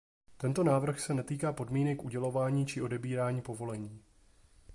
Tento návrh se netýká podmínek udělování či odebírání povolení.